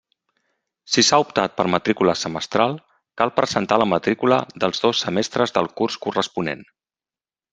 Si s'ha optat per matrícula semestral, cal presentar la matrícula dels dos semestres del curs corresponent.